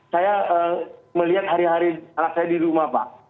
saya melihat hari hari anak saya di rumah pak